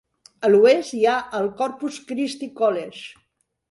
A l'oest hi ha el Corpus Christi College.